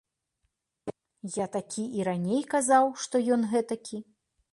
Я такі і раней казаў, што ён гэтакі.